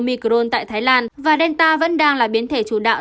nhiễm biến thể omicron tại thái lan và delta vẫn đang là biến thể chủ đạo